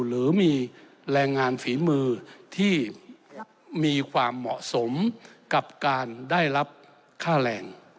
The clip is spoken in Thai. หรือมีแรงงานฝีมือที่มีความเหมาะสมกับการได้รับค่าแรง